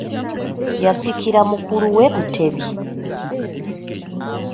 Yasikira mukulu we Mutebi.